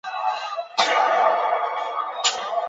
这个漏洞由于触发条件简单而备受关注。